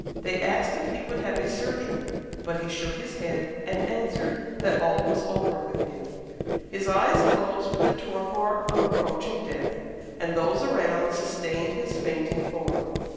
They asked if he would have a surgeon, but he shook his head and answered that all was over with him. His eyes closed with the torpor of approaching death, and those around sustained his fainting form.